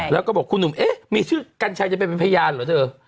แล้วก็บอกคุณหนุ่มเอ๊ะมีชื่อกัญชัยจะไปเป็นพยานเหรอเธอ